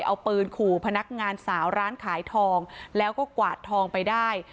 เอาปืนขู่พนักงานสาวร้านขายทองแล้วก็กวาดทองไปได้